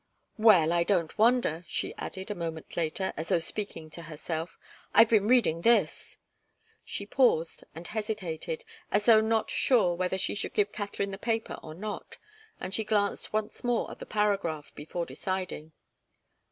"Well, I don't wonder," she added, a moment later, as though speaking to herself. "I've been reading this " She paused and hesitated, as though not sure whether she should give Katharine the paper or not, and she glanced once more at the paragraph before deciding.